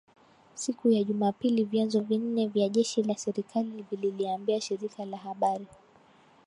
siku ya Jumapili vyanzo vinne vya jeshi la serikali vililiambia shirika la habari